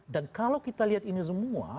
dan kalau kita lihat ini semua